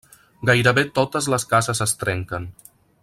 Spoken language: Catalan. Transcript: Gairebé totes les cases es trenquen.